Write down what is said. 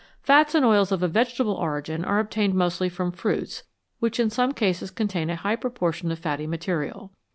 Fats and oils of a vegetable origin are obtained mostly from fruits, which in some cases contain a high pro portion of fatty material.